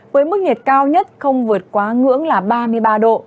với mức nhiệt cao nhất không vượt quá ngưỡng là ba mươi ba độ